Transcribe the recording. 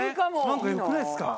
なんかよくないですか？